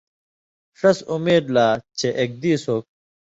ݜَس اُمید لا چےۡ اِک دِیس اوک